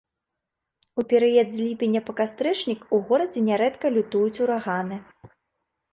У перыяд з ліпеня па кастрычнік у горадзе нярэдка лютуюць ураганы.